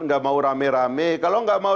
nggak mau rame rame kalau nggak mau